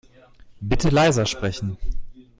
Bitte leiser sprechen.